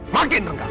makin dengan kamu